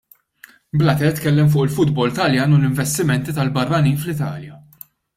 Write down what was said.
Blatter tkellem fuq il-futbol Taljan u l-investimenti tal-barranin fl-Italja.